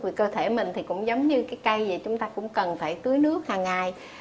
vì cơ thể mình thì cũng giống như cái cây gì chúng ta cũng cần phải tưới nước hàng ngày